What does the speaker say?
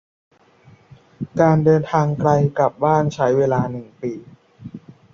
การเดินทางไกลกลับบ้านใช้เวลาหนึ่งปี